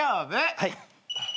はい。